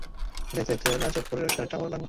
দেখতে দেখতে রজবপুরে ব্যাবসার একটা আওড় লাগল।